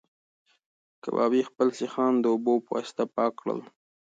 کبابي خپل سیخان د اوبو په واسطه پاک کړل.